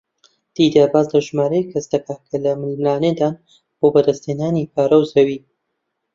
تێیدا باس لە ژمارەیەک کەس دەکات کە لە ململانێدان بۆ بەدەستهێنانی پارە و زەوی